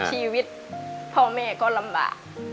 ชีวิตพ่อแม่ก็ลำบาก